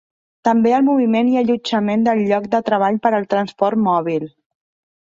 També el moviment i allotjament del lloc de treball per al Transport Mòbil.